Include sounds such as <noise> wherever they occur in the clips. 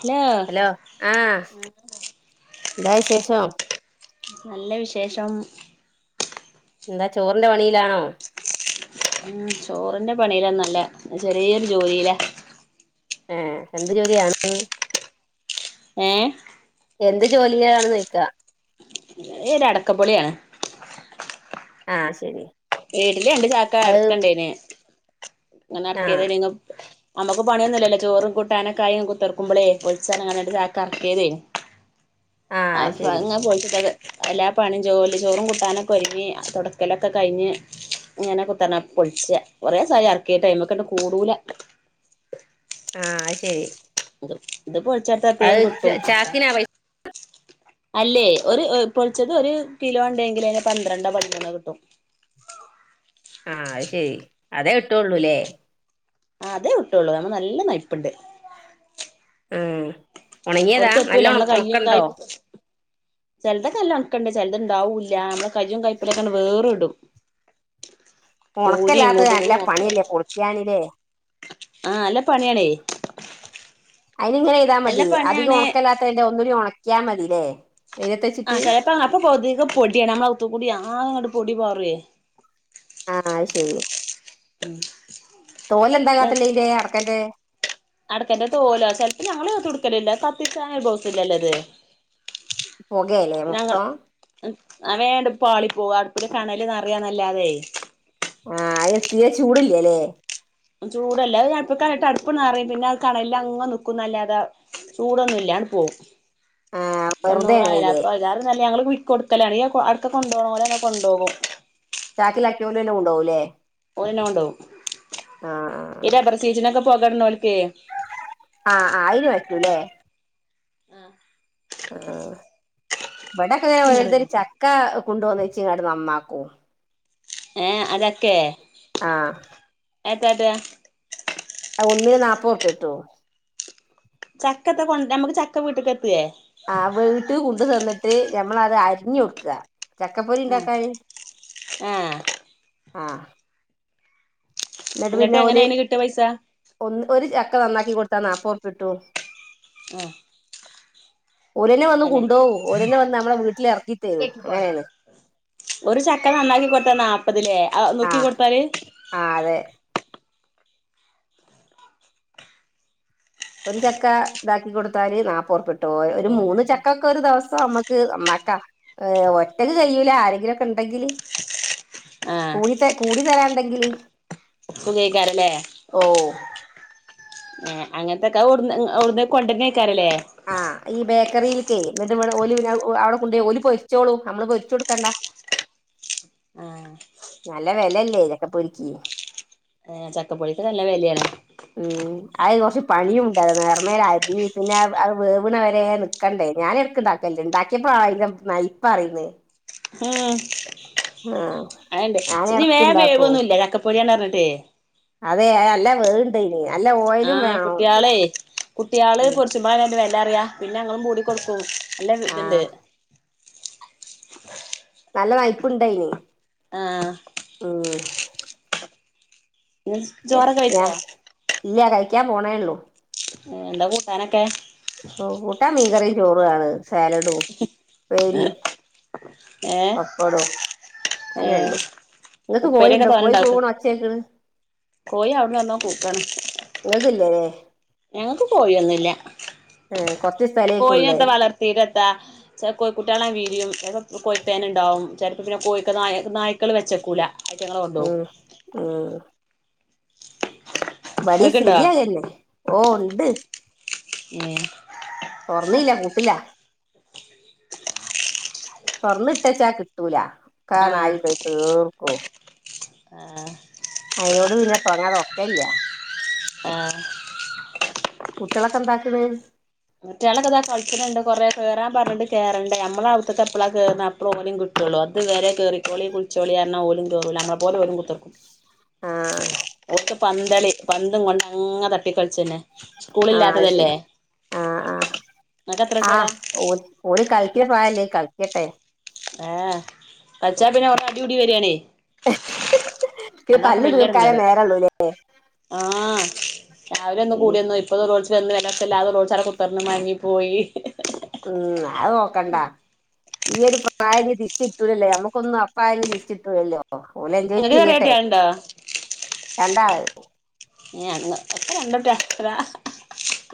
Hello എന്താ വിശേഷം നല്ല വിശേഷം. ന്താ ചോറിന്റെ പണിയിലാണോ? ഉം ചോറിന്റെ പണിയിലോന്നൊല്ല ചെറിയൊരു ജോലിയിലാ.. ഏഹ് എന്ത് ജോലിയാണ് ഏഹ് എന്ത് ജോലിയാണ്ന്ന്ക്കാ? <unintelligible> അടക്കപൊളിയാണ്. ആഹ് ശരി. വീട്ടില് രണ്ട് ചാക്ക അത് അടക്കണ്ടേനി ങ്ങനെ ആഹ് അടത്തിനെകം. നമ്മക്ക് പണിയൊന്നുല്ലല്ലോ ചോറും കുട്ടാനൊക്കായി കുത്തറ്ക്കുമ്പോളേ പൊളിച്ചാനാ രണ്ട് ച്ചാക്കെറ്കെതെ <inaudible> അത് ശരി അതേങ്ങ പോൾച്ചീട്ടത് എല്ലാ പണിയും ജോലി ചോറും കൂട്ടാനൊക്കെ ഒരുങ്ങി തൊട്ക്കലൊക്കെ കഴിഞ്ഞ്. ങ്ങനെ കുത്തറ്ന്നപ്പോ പൊള്ച്ച കൊറീസായി എറ്ക്കിട്ട് അയ്മേക്കെ റ്റെ കൂടുല ആഹ് അയ് ശരി ത് പൊള്ച്ചോട്ത്തെ തേം അത് കിട്ടും അപ്പം ചാക്കിനാ പൈസ അല്ലേ ഒരു പൊളിച്ചത് ഒരു കിലോ ണ്ടെങ്കിൽ അയ്ന് പന്ത്രണ്ടോ പതി മൂന്നൊ കിട്ടും. ആഹ് അയ്ശരി അതേ കിട്ടോള്ളൂലേ? ആഹ് അതെ കിട്ടോള്ളൂ അയ്മ്മ നല്ല നയ്പ്പ്ണ്ട്. ആഹ് ഒണങ്ങിയതാ അവിടക്ക് എത്തൂല നല്ല ഒണക്കണ്ടോ ചെല്തൊക്കെ നല്ല ഒണ്ക്കണ്ട് ചിലത് ഇണ്ടാവൂല്ല നമ്മളെ കയ്യും കയ്പെലൊക്കെണ്ട് വേറ്ടും ഒണക്കല്ലാത്ത നല്ല പണിയല്ലേ പൊളിക്കാണില്ലേ ആഹ് നല്ല പണിയാണേ അയ്നിങ്ങനെ ചെയ്താ നല്ല മതി അധികം പണിയാണ് ഒൺക്കല്ലാത്തേനെ ഒന്നൂടി ഒൺക്കിയാ മതില്ലേ വെയ്ലത്തെച്ചിട്ട് പ്പ അപ്പൊ പൊതികം പൊടിയാ <unintelligible> ആഹ് അഹ് ശരി <inaudible> തോലെന്താ കാട്ടല് അയ്ന്റെ അടക്കന്റെ അടക്കന്റെ തോല് ചെല്പ്പ ഞങ്ങളെതുട്ക്കലില്ല കത്തിച്ചാനോര് <unintelligible> പോകയല്ലേ മൊത്തം അഹ് വേണ്ട് പാളി പോകും അട്പ്പില് കണല് നറയ നല്ലാതെ ആഹ് എത്തിയ ചൂട്ല്ലല്ലേ ചൂടല്ലാതെ <unintelligible> കണലില്ലങ്ങനെ നിക്കുന്നലാതെ ചൂടൊന്നുംല്ലാ ആണ്ട് പോവും ആഹ് വെറുതെയാണ് അതില്ലേ <unintelligible> നല്ല ഞങ്ങള് കൊടുക്കലാണ് അടക്ക കൊണ്ടോണോലന്നെ അങ് കൊണ്ടോകും ചാക്കിലാക്കിയോലന്നെ കൊണ്ടോവൂല്ലേ ഓനന്നെ കൊണ്ടോവും ആഹ് ഈ ആഹ് ടബർസീറ്റിനൊക്കെ പോകട് നോൽക്കെ ആഹ് ആഹ് അയിന് പറ്റുല്ലേ ആഹ് ആഹ് ഇവിടൊക്കെ ഓരോര്ത്തര് ചക്ക കൊണ്ടോന്നച്ചിങ്ങാണ്ട് നന്നാക്കും ഏഹ് ആഹ് ചക്കെ ആഹ് <unintelligible> ഒന്നിന് നാൽപ്പോർപ്യട്ടോ ചക്കത്ത കൊണ്ട് നമുക്ക് ചക്ക വീട്ട്ക്ക് എത്തേ ആഹ് വീട്ട് കൊണ്ടു തന്നിട്ട് ഞമ്മൾ അത് അരിഞ്ഞു കൊടുക്കുക ചക്കപ്പൊരി ഉണ്ടാക്കാന് ആഹ് ആഹ് എന്നിട്ട് പിന്നെ എങ്ങനെ ഓല് അയിന് കിട്ടാ പൈസ ഒരു ചക്ക നന്നാക്കി കൊടുത്താ നാൽപ്പോർപ്പ്യ കിട്ടു ആഹ് ഓരന്നെ വന്ന് അങ്ങനെ കൊണ്ടോവും ഓരന്നെ വന്ന് നമ്മളെ വീട്ടിലിറക്കി തരും അങ്ങനെയാണ് ഒരു ചക്ക നന്നാക്കി കൊടുത്ത നാല്പ്പത് ലേ നുർക്കി ആഹ് കൊടുത്താല് ആഹ് അതെ ഒരു ചക്ക ഇതാക്കി കൊടുത്താല് നാപൊർപ്പ്യ കിട്ടു ഒരു മൂന്ന് ചക്ക ക്ക ഒരു ദിവസം നമ്മുക്ക് നന്നാക്കാം ഒറ്റക്ക് കഴൂല ആരെങ്കിലൊക്കെ ഉണ്ടെങ്കില് ആഹ് കൂടി ത കൂടി തരാണ്ടെങ്കിൽ സുഖേക്കാരംലേ ഏഹ് അങ്ങനത്തൊക്കെ അവൊവിടുന്ന് കൊണ്ടന്നേക്കാരല്ലേ ആഹ് ഈ ബേക്കറിൽക്ക് ഒലി അവിടെ കൊണ്ട് ഓല് പൊരിച്ചോളൂ നമ്മള് പൊരിച്ചു കൊടുക്കേണ്ട ആഹ് നല്ല വെലല്ലേ ചക്ക പൊരിക്കി ചക്കപ്പൊരിക്ക് നല്ല വെലയാണ് ഉം അത് കൊറച്ച് പണിയും ഉണ്ട് നേർമേല് അരിഞ്ഞ് പിന്നെ അത് വേവ്ണ വരെ ക്കണ്ടേ ഞാൻ എടക്ക്ണ്ടാക്കലണ്ട് ഇണ്ടാക്കിയപ്പോ അഹ് ഇപ്പ പറയന്ന് ഏഹ് ആഹ് അത്ണ്ട് ഞാൻ ഈ എടക്ക് വേം ഇണ്ടാക്കും വേവൊന്നുല്ല ചക്കപ്പൊരിയാണ് പറിഞ്ഞിട്ടെ അതെ അല്ല വേവ്ണ്ട <unintelligible> അല്ല ആഹ് കുട്ട്യാളെ കുട്ട്യാള് ഉം ചുമ്മാല്ലണ്ട് വില അറിയാ പിന്നെ അങ്ങും മൂടി കൊടുക്കും നല്ല ആഹ് ഇതുണ്ട് നല്ല നയ്പുണ്ടയിന് ആഹ് ഉം ചോറൊക്കെ ഞാ വെയ്ച്ചോ ഇല്ല കഴിക്കാൻ പോണേള്ളൂ ഏഹ് എന്താ കൂട്ടാനൊക്കെ ഓ കൂട്ടാൻ മീങ്കറിം ചോറു ആണ് സാലഡും ഉപേരിയും ഏഹ് പപ്പടോ ഏഹ് അനൊള്ളു നിങ്ങൾക്ക് ഉപ്പേരിയൊക്കെ കോഴിണ്ടോ കോയി കൂവണ ഒച്ചേക്ക്ണ് പോയി അവുട്ന്നെട്ന്നോ കൂക്കാണ് നിങ്ങക്കില്ലേല്ലേ ഞങ്ങക്ക് കോയൊന്നില്ല ഏഹ് കൊറച്ച് കോയി സ്ഥലേക്കുള്ളേ എത്ത വാളല തീരെത്താ ച കുട്ടികളാണ്ട് വീരിയും ച കോഴിപ്പേന ഉണ്ടാവും ചില പിന്നെ കോയ്ക്ക നായ നായിക്കള് വെച്ചേക്കൂല ആഹ് ആഹ് ബടി ഇങ്ങക്ക്ണ്ടോ സ്ഥിതിഅതന്നെ ഓ ഉണ്ട് ഏഹ് തൊറന്നീല്ല കൂട്ടില്ല തൊറന്നിട്ടച്ചാ കിട്ടൂല ഒക്ക ആഹ് നായി പോയി തീർക്കോ ആഹ് അയിതിനോട് പിന്നെ തുടങ്ങാതൊക്കെ ഇല്ല ആഹ് <unintelligible> കുട്ടികളൊക്കെ എന്താക്കണ് മറ്റയാളൊക്കെതാ കളിച്ചട്ടുണ്ട് കൊറെ കറൻ പറഞ്ഞിണ്ട് ക കേറണ്ട് നമ്മുടെ അടുത്തൊക്ക എപ്പഴാ കേറ അപ്പോഴ ഓരും കുട്ടി ള്ളൂ അത്വേരെ കയറിക്കോളി കുളിച്ചോളിരാ ഓലും കേറുല നമ്മെ പോലെ കുത്ത <inaudible> ആഹ് ഓക്ക് പന്തളി പന്തും കൊണ്ട് അങ്ങ തട്ടി കളിച്ചന്നെ സ്കൂള ആഹ് അത് ഇില്ലാത്തതല്ലേ ശരി ആഹ് ആഹ് കുട്ട്യാളാ ആഹ് ഓ ഓന് കളിക്ക പ്രായല്ലേ കളിക്കട്ടെ ഏഹ് കളിച്ചാ പിന്നെ ഒടെ അടിപടി വരിണേ <unintelligible> തല്ല് തീർക്കാനെ എടങ്ങേറ് നേരള്ളൂല്ലേ ആഹ് രാവിലൊന്ന് ഉം കൂടിയന്ന ഇപ്പറോ വിലല്ലാതെ റോ അട ഉത്തർന്ന് മാങ്ങി പോയി ഉം അത് നോക്കണ്ടാ ഈയ ഒരു പ്രായന് തിരിച്ച്ട്ടൂലല്ലേ നമുക്കൊന്നും നഷ്‌ട്ടായ തിരിച്ചിട്ടൂല്ലോ ഓ ഓലെന്തേലും ഇങ്ങക്ക് ചെയ്യട്ടെ ചെറിയട്ട്യാള്ണ്ടോ രണ്ടാ ന്ന് ഒപ്പ രണ്ടോട്ട <unintelligible>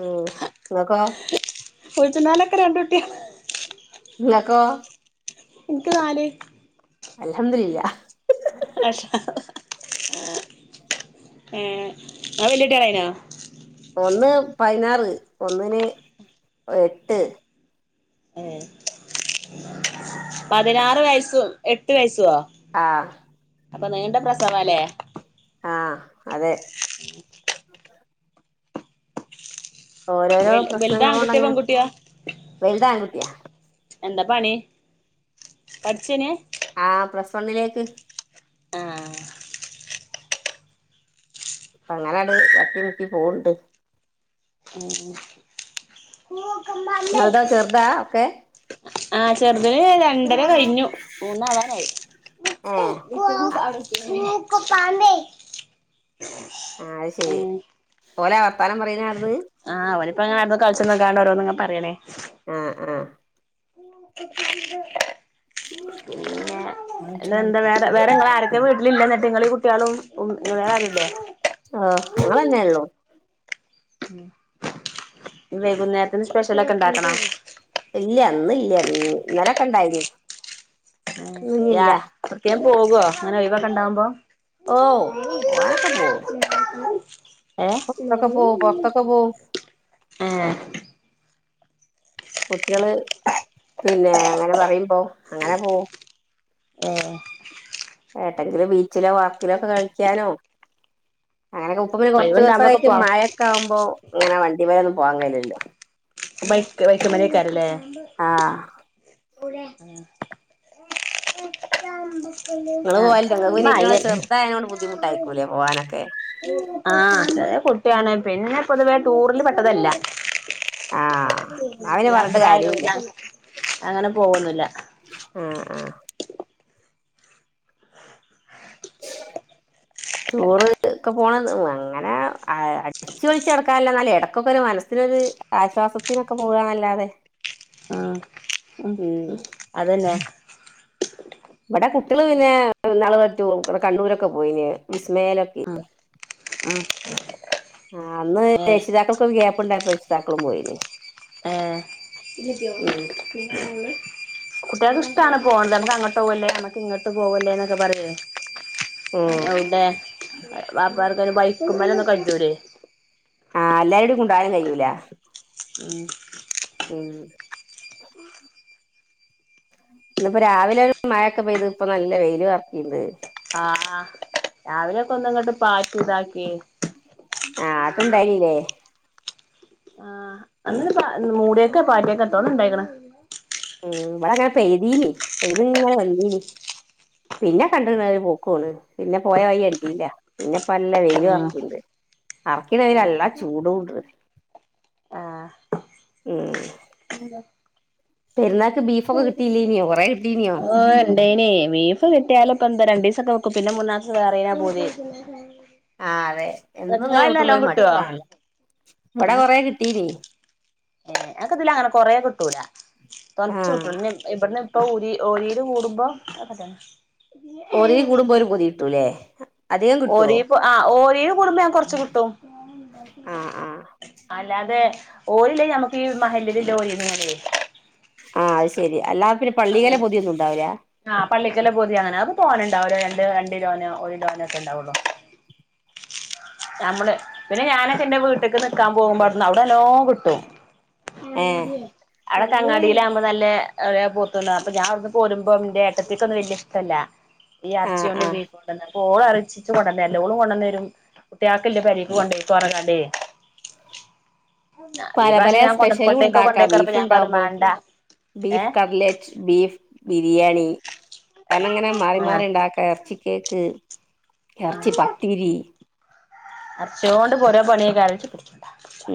ഉം നിങ്ങക്കോ കുച്ച നാലെക്ക രാണ്ണ്ട്രുട്ടിയ നിങ്ങക്കൊ എനിക്ക് നാല് അലഹംമുദില്ല <unintelligible> ആഹ് ഏഹ് ഒല് വല്ലിട്ടളായിനോ ഒന്ന് പതിനാറ് ഒന്നിന് എട്ട് ഏഹ് പതിനാറ് വയസും എട്ട് വയസുവ ആഹ് അപ്പൊ നിണ്ട പ്രസവ അല്ലേ ആഹ് അതെ <unintelligible> ഓരോരോ വെൽ വെൽത് പ്രശ്നങ്ങളൾ ആൺകുട്ടിയോ കൊണ്ട്ങ്ങനെ പെൺകുട്ടിയോ വലുതാ ൺകുട്ടിയ എന്താ പണി പഠിച്ചേന ആഹ് പ്ലസ് വണ്ണിലേക്ക് ആഹ് അങ്ങനാണ്ട് തട്ടി മുട്ടി പോവ്ണ്ട് ഉം ഇങ്ങള് അത് ചെറുതാ ഒക്കെ ആഹ് ചെറുതിന് രണ്ടര കഴിഞ്ഞു മൂന്നാവാനായി ഏഹ് <unintelligible> ആ അയ് ശെരി ഉം ഓലെ വർത്താനം പറയുന്ന അവ്ട്ന്ന് ആഹ് ഓന് ഇപ്പം അങ്ങനെ അവിടുന്ന് കളിച്ച് വന്ന്ക്കാണ്ട് ഓരോന്ന് ഇങ്ങെനെ പറയണേയ് ആഹ് ആഹ് ഉ എന്താ വേറെ വേറെ ഇങ്ങളെ ആരൊക്കെ വീട്ടിലില്ല എന്നിട്ട് നിങ്ങള് ഈ കുട്ടികളും വേറെ ആരും ഇല്ലേ ആഹ് ഞങ്ങള് തന്നെ ഒള്ളൂ വൈകുന്നേരത്തിന് സ്പെഷ്യലൊക്കെ ഉണ്ടാക്കണോ ഇല്ല ഇന്ന് ഇല്ല ഇന്നലൊക്കെ ഇണ്ടായിരുന്നു ഏഹ് യാ എവിടേക്കെ പോകോ ഇങ്ങനെ ഒയ് വൊക്കെ ഉണ്ടാകുമ്പോ? ഓഹ് പോവാനൊക്കെ പോവും. ഏഹ് പുറത്തൊക്കെ പോവും പുറത്തൊക്കെ പോവും ഏഹ് കുട്ടികള് പിന്നെ ഇങ്ങനെ പറയുമ്പോ അങ്ങനെ പോവും. ഏഹ്. ഏട്ടെങ്കിലും ബീച്ചിലെ പാർക്കിലൊക്കെ കളിക്കാനോ. അങ്ങനൊക്കെ ഇപ്പം കുറച്ച് ദിവസ ഒഴിവുണ്ടാവുമ്പൊക്കെ ആയിട്ട് പോ മഴൊക്കൊവുമ്പോ അങ്ങനെ വണ്ടിമ്മൽ ഒന്നും പോവാൻ കഴിയൂല്ലല്ലേ ബൈക്ക് ബൈക്കുമലയ്ക്കാരല്ലേ? ആഹ് ഉം നിങ്ങള് ആഹ് പോവലുണ്ടോ നിങ്ങൾക്ക് പിന്നെ മഴ ഇറ്റങ്ങളെ അല്ലെ. ചെറുതായതുകൊണ്ട് ബുദ്ധിമുട്ടായിരിക്കൂലേ പോവാനൊക്കെ ആഹ് ചെറിയ കുട്ടിയാണ് പിന്നെ പൊതുവേ ടൂറിൽ പെട്ടതല്ല. ആഹ് എന്നാ പിന്നെ പറഞ്ഞിട്ട് യാത്ര കാര്യമില്ല ആയാൽ അങ്ങനെ പോകെന്നില്ല. ആഹ് ആഹ്. ടൂർ ഒക്കെ പോണ അങ്ങനെ അടി അടിച്ച് പെളിച്ച് നടക്കാനല്ല നല്ല ഇടക്കൊക്കെ ഒരു മനസ്സിനൊരു ആശ്വാസത്തിനൊക്കെ പോകനല്ലാതെ. ആഹ് ആഹ് അതെന്നെ. ഇവിടെ കുട്ടികള് പിന്നെ ഇനാള് കണ്ണൂരൊക്കെ പോയിന് വിസ്മയിൽ. ആഹ് ആഹ് അന്ന് രക്ഷിതാക്കൾക്കൊ ഗ്യപ്പുണ്ടായിപ്പേ രക്ഷിതാക്കളും പോയിന്. ഏഹ് ഉം <unintelligible> കുട്ടികൾക്ക് ഇഷ്ടമാണ് പോക്ണത് നമുക്ക് അങ്ങോട്ട് പോകല്ലേ നമക്ക് ഇങ്ങോട്ട് പോകല്ലേ എന്നൊക്കെ പറയെ. ഉം എവുടെ വാപ്പാർക്ക് ബൈക്ക്മ്ലെ ഒന്നും കച്ചൂലെ ആഹ് എല്ലാരോടിം കൊണ്ടാവാനും കയ്യൂലാ ഉം ഉം ഇന്നപ്പോ രാവിലെ ഒരു മഴൊക്കെ പെയ്ത് ഇപ്പ നല്ല വെയില് അറക്കിണ്ട്. ആഹ് രാവിലെയൊക്കെ ഒന്ന് ഇങ്ങോട്ട് പാറ്റി ഇതാക്കി. ആഹ് ആട്ടുണ്ടായിനില്ലേ. ആഹ് ഒന്ന് മൂടിയൊക്കെ പാറ്റിയൊക്കെ എത്തോന്ന് ഇണ്ടായിക്ക്ണ്. ഉം ഇവിടെങ്ങനെ പെയ്തീന് പെയ്തി ഇങ്ങനെ വന്നീന്ന്. പിന്നെ കണ്ട്ണ് ഒര് പോക്ക് പോണ് പിന്നെ പോയ വയ്യ് കണ്ടീല്ല. പിന്നെപ്പല്ല വെയിലും ഉം അറിക്കിണ്ട് അറിക്ക്ണ വെയ്ല് നല്ല ഏഹ് ചൂടും ഇണ്ട്. ഉം പിന്നെന്താ? പെരുന്നാൾക്ക് ബീഫൊക്കെ കിട്ടയില്ലനയോ കുറെ കിട്ടീനെയോ? ഓ ഇണ്ടേന് ബീഫ് കിട്ടിയാലപ്പ എന്താ രണ്ട് ദിവസൊക്കെ വെക്കും പിന്നെ മൂന്നാസം വെറിന്നാ പൂതി. ആഹ് അതെ എന്നും ഇങ്ങനെ ഇങ്ങളയ്ല് കൂട്ടുമ്പോ നല്ലോം ഒരു കിട്ടോ മടുപ്പാണ് ഇവിടെ കൊറെ കിട്ടീന്. ഏഹ് നക്ക് ഇതില് അങ്ങനെ കൊറേ കിട്ടൂല കൊറച്ച് ആഹ് കിട്ടൂള്ളു ഇവിടുന്ന്. ഇപ്പഒരി ഓരിര് കൂടുമ്പോ ഓരിൽ കൂടുമ്പോ ഒര് പൊതി കിട്ടുല്ലേ? ഓരി ആഹ് ഓരിൽ കൂടുമ്പോ ഞൻക്ക് കൊറച്ച് കിട്ടും. ആഹ് ആഹ് അല്ലാതെ ഓരില്ലേ നമുക്ക് ഈ മഹല്ല് ലോറിന്നുംല്ലല്ലേ. ആഹ് അത് ശരി അല്ലാ പിന്നെ പള്ളികലെ അങ്ങനെ പൊതിയൊന്നും ഉണ്ടാവില്ല. ആഹ് പള്ളിക്കലെ പോതി അങ്ങനെ അത് തോന ഉണ്ടാവൂല്ല രണ്ട് രണ്ട് കിലൊനോ ഒരു കിലോനോ ഒക്കെ ഉണ്ടാവുള്ളു. നമ്മള് പിന്നെ ഞാനൊക്കെ എൻറെ വീട്ടക്ക് നിക്കാൻ പോകുമ്പോ അടുന്ന് അവിടെനല്ലോം കിട്ടും. ഏഹ് അത് തങ്ങാടിയിലാകുമ്പോ നല്ല ഇളയെ പോത്ത്ട്ടവും ഞാൻ അവിന്ന് പോരുമ്പോ എന്റെ ഏട്ടത്തേക്കൊന്നും വലിയ ഇഷ്ടല്ല. ഈ ആഹ് ആഹ് അറച്ചിയൊണ്ട്ബീഫ്‌യോടന്നും അപ്പോ ഓള് അരച്ചിച്ച് കൊണ്ടന്നല്ലോഓൾ കൊണ്ടന്ന കുട്ടയാൾക്ക് ഇന്റെ പെരിക്ക് കൊണ്ടെയ്കോ പറഞ്ഞ് ങ്ങാ ണ്ട് പല പല സ്പെഷ്യലും കൊണ്ടോയ്ക്കോ ഉണ്ടാക്കാം കൊണ്ടോയ്ക്കോ പറഞ്ഞപ്പോ ബീഫ് ഞാൻ പറഞ്ഞു ഉണ്ടാവകുമ്പോ മാണ്ട ബീഫ് ഏഹ് കട്ലറ്റ്. ബീഫ് ബിരിയാണി. അനങ്ങനെ മാറി മാറി ആഹ് ഉണ്ടാക്ക ഇറച്ചി കേക്ക് ഇറച്ചി പത്തിരി. ഇറിച്ചുകൊണ്ട് പോര പണിയ കാല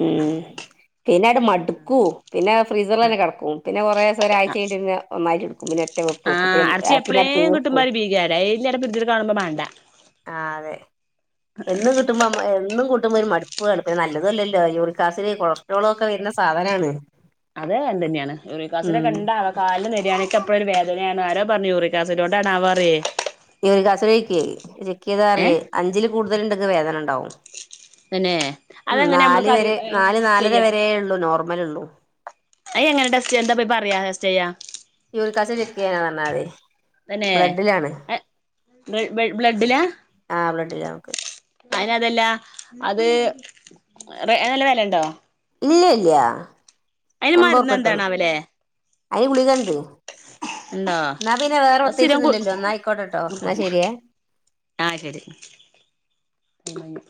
ഉം പിന്നെ അട് മടുക്കും പിന്നെ ഫ്രീസറല്ലെ കിടക്കും പിന്നെ കുറ ദിവസം ഒരാഴ്ച്ച കഴിഞ്ഞി ആഹ് പിന്നെ ഒന്നായിട്ട് എടുക്കും പിന്നെ. വെപ്പ് വെക്കും ആഹ് പിന്നെ അടച്ചി പിന്നെ അത് എപ്പഴേും തീർക്കും കുട്ടുംബാർ ഭീകര ഡയിലിട ബരുതിട്ട കാണുമ്പോ വേണ്ട ആഹ് അതെ. എന്നും <unintelligible> എന്നും കൂട്ടുമ്പൾ ഒരു മടുപ്പ് നല്ലതല്ല ല്ല യൂറിക്കാസിഡ് കൊളസ്ട്രോള ഒക്കെ വരുന്ന സാധനമാണ്. അതെ എൻ്റെ തന്നെയാണ് ഒരു യുറികാസൊക്കെ കണ്ടാ കാലിന്റെ നെര്യാണിക്കെപ്പഴും ഒരു വേദനയാണ് ആരോ പറഞ്ഞു യൂറിക്കാസിടോണ്ടാണ പറിയേ യുറിക്കാസിഡ് ചെക്ക് ചെയ്യ് ചെക്ക് ചെയ്താ ഏഹ് അറിയാം അഞ്ചിൽ കൂടുതൽ ഉണ്ടെങ്കെ വേദന ഉണ്ടാവും തന്നെ. ഉം അതെങ്ങനെ നമ്മള് നാല് കടി വരെ എങ്ങനെ നാല് ടെസ്റ്റ് ചെയ്യാ നാലരവരേ ഉള്ളു നോർമലൊള്ളൂ. അയ എങ്ങനെ ടെസ്റ്റേ ചെയ്യാ എന്താ പോയി പറയാ ടെസ്റ്റയ യൂറിക്കാസിഡ് ചെക്ക് ചെയ്യാനാ പറഞ്ഞാമതി ബ്ലഡിലാണ് ബ്ല ബ്ല ബ്ലഡിലാ? ആഹ് ബ്ലഡിലാ നോക്കല്. അതിനതല്ല അത് ആയിന് നല്ല വെലണ്ടോ? ഇല്ല ഇല്ല അയിന് മരുന്ന് എമ്പറപ്പട്ടള്ളു എന്താണാവല്ലേ അയിന് ഗുളികണ്ട്. ഉണ്ടോ ഇന്നാ പിന്നെ വേറെ അത് സ്ഥിരം കു പ്രത്തേകിച്ചൊന്നൂല്ലല്ലോ ഇന്നാ ആയിക്കോട്ടെട്ടോ എന്നാ ശെരിയേ. ആഹ് ശരി.